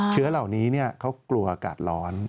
เชื้อเหล่านี้เขากลัวอากาศร้อน